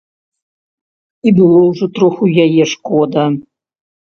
І было ўжо троху яе шкода.